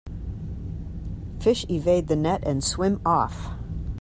Fish evade the net and swim off.